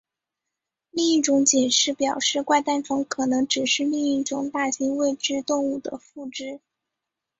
另一种解释表示怪诞虫可能只是另一种大型未知动物的附肢。